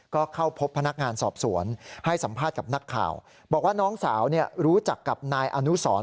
ก็เข้าพบพนักงานสอบสวนให้สัมภาษณ์กับนักข่าวบอกว่าน้องสาวรู้จักกับนายอนุสร